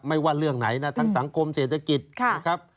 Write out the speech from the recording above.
ว่าเรื่องไหนนะทั้งสังคมเศรษฐกิจนะครับ